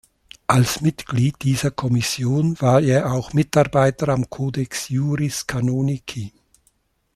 Als Mitglied dieser Kommission war er auch Mitarbeiter am Codex Iuris Canonici.